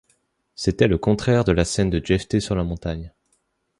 C’était le contraire de la scène de Jephté sur la montagne.